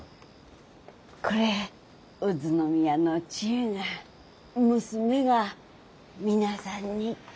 これ宇都宮の千絵が娘が皆さんにって。